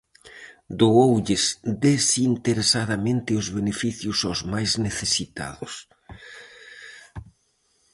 Dooulles desinteresadamente os beneficios aos máis necesitados.